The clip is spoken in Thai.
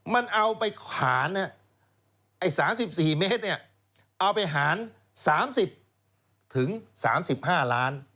มันเอาไปขาน๓๔เมตรเอาไปหาร๓๐๓๕ล้าน